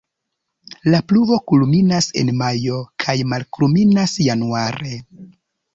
La pluvo kulminas en majo kaj malkulminas januare.